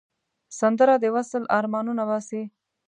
سندره د وصل آرمانونه باسي